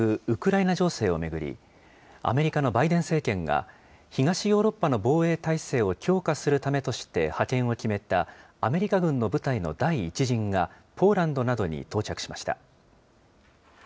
ウクライナ情勢を巡り、アメリカのバイデン政権が、東ヨーロッパの防衛態勢を強化するためとして派遣を決めたアメリカ軍の部隊の第１陣がポーランドなどに到着しました。